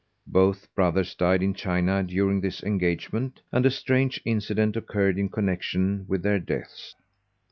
Both brothers died in China during this engagement, and a strange incident occurred in connection with their deaths.